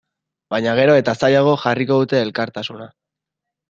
Baina gero eta zailago jarriko dute elkartasuna.